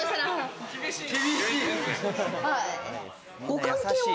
ご関係は？